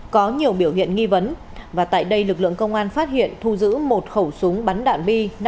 có nhiều biểu hiện nghi vấn và tại đây lực lượng công an phát hiện thu giữ một khẩu súng bắn đạn bi